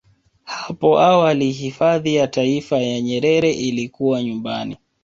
Hapo awali hifadhi ya Taifa ya Nyerere ilikuwa nyumbani